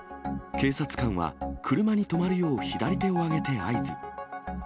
警察官は車に止まるよう左手を上げて合図。